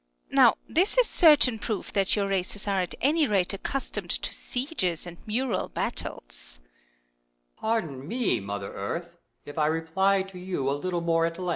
Now this is certain proof that your races are at any rate accustomed to sie^^es and mural battles.